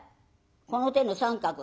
この手の三角？